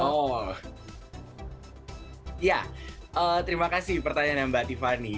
oh ya terima kasih pertanyaan mbak tiffany